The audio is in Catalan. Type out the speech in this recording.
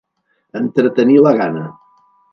Entretenir la gana.